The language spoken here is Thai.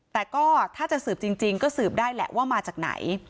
แต่ก็ถ้าจะสืบจริงก็สืบได้แหละว่ามาจากไหน